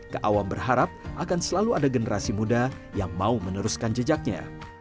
keawam berharap akan selalu ada generasi muda yang mau meneruskan jejaknya